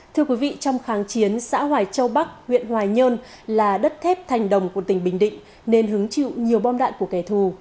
thưa quý vị trong kháng chiến xã hoài châu bắc huyện hoài nhơn là đất thép thành đồng của tỉnh bình định nên hứng chịu nhiều bom đạn của kẻ thù